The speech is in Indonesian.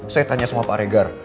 saya tanya sama pak regar